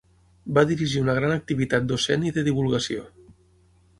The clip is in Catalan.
Va dirigir una gran activitat docent i de divulgació.